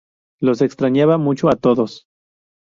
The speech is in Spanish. Los extrañaba mucho a todos.